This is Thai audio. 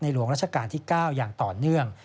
หลวงราชการที่๙อย่างต่อเนื่อง